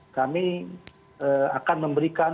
kami akan memberikan